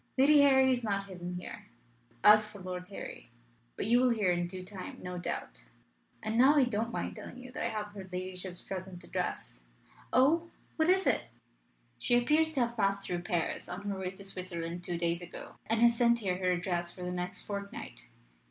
Lady Harry is not hidden here. As for Lord Harry but you will hear in due time no doubt. And now I don't mind telling you that I have her ladyship's present address." "Oh! What is it?" "She appears to have passed through Paris on her way to Switzerland two days ago, and has sent here her address for the next fortnight.